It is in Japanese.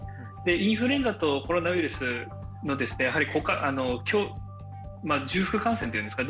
インフルエンザとコロナウイルスの重複感染というんですか